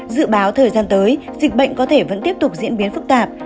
dự báo thời gian tới dịch bệnh có thể vẫn tiếp tục diễn biến phức tạp